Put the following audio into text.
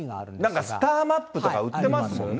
なんかスターマップとか売ってますもんね。